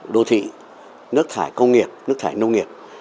đô thị nước thải công nghiệp nước thải nông nghiệp